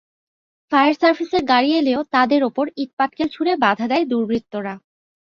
Fire সার্ভিসের গাড়ি এলেও তাদের ওপর ইটপাটকেল ছুড়ে বাধা দেয় দুর্বৃত্তরা।